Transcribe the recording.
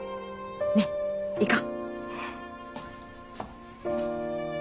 ねっ行こう。